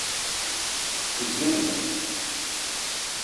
Kızgın mı?